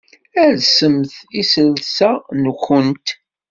Alsemt iselsa-nwent.